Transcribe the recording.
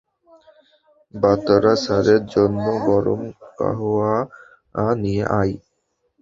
বাতরা স্যারের জন্য গরম কাহওয়া নিয়ে আয়।